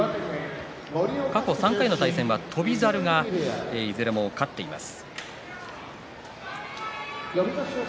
過去３回の対戦は翔猿がいずれも勝っています。